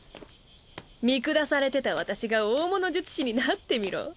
見下されてた私が大物術師になってみろ。